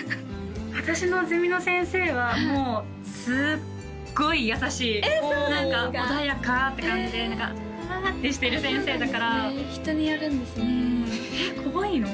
私のゼミの先生はもうすっごい優しい何か穏やかって感じでふわってしてる先生だから人によるんですね怖いの？